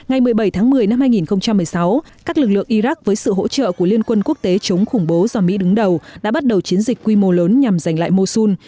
ngày một mươi bảy tháng một mươi năm hai nghìn một mươi sáu các lực lượng iraq với sự hỗ trợ của liên quân quốc tế chống khủng bố do mỹ đứng đầu đã bắt đầu chiến dịch quy mô lớn nhằm giành lại mosul